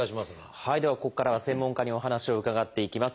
ではここからは専門家にお話を伺っていきます。